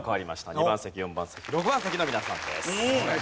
２番席４番席６番席の皆さんです。